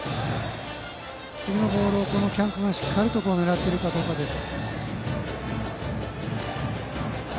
次のボールを喜屋武がしっかり狙っているかどうかです。